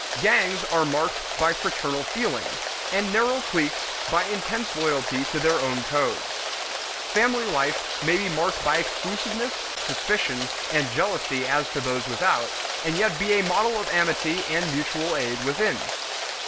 Gangs are marked by fraternal feeling, and narrow cliques by intense loyalty to their own codes. Family life may be marked by exclusiveness, suspicion, and jealousy as to those without, and yet be a model of amity and mutual aid within.